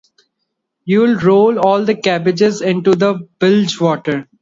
You'll roll all the cabbages into the bilgewater!